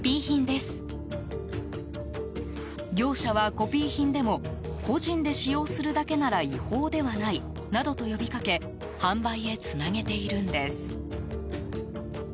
業者は、コピー品でも個人で使用するだけなら違法ではないなどと呼びかけ販売へつなげているんです。